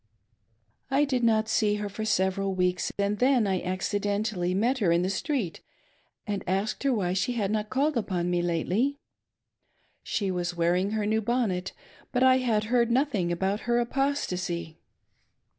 I did not see her for several weeks, and then I accidentally met her in the street, and asked her why she had not called upon me lately. She was wearing the new bonnet, but I had heard nothing about her apostacy.